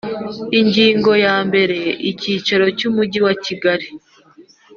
Ingingo yambere Icyicaro cy Umujyi wa Kigali